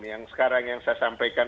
yang sekarang yang saya sampaikan